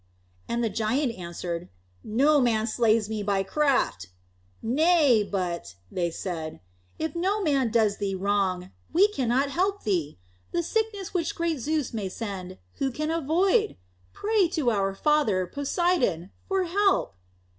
And the giant answered, "No Man slays me by craft." "Nay, but," they said, "if no man does thee wrong, we cannot help thee. The sickness which great Zeus may send, who can avoid? Pray to our father, Poseidon, for help."